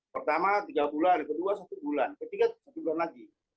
pertama tiga bulan kedua satu bulan ketiga satu bulan lagi